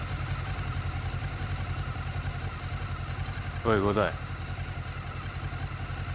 おい伍代。